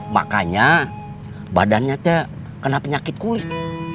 makanya badannya itu kena penyakit kulit